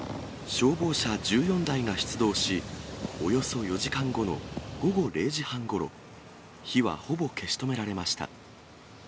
消防車１４台が出動し、およそ４時間後の午後０時半ごろ、火はほぼ消し止められました。